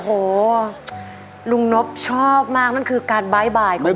โอ้โหลุงนบชอบมากนั่นคือการบ๊ายบายของ